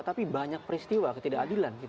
tapi banyak peristiwa ketidakadilan